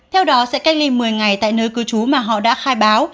theo đó sẽ cách ly một mươi ngày tại nơi cư trú mà họ đã khai báo